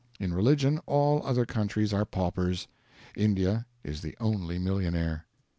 In religion all other countries are paupers; India is the only millionaire.